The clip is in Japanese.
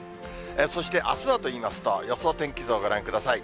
そしてあすはといいますと、予想天気図をご覧ください。